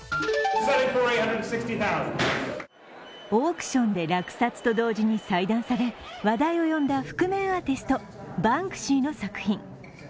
オークションで落札と同時に細断され話題を呼んだ覆面アーティスト、バンクシーの作品。